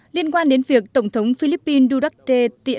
liên quan đến việc tổng thống philippines đối với trung quốc